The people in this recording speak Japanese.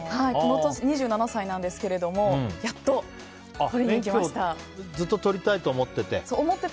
２７歳なんですけど免許をずっと取りたいと思ってて？